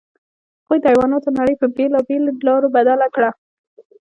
هغوی د حیواناتو نړۍ په بېلابېلو لارو بدل کړه.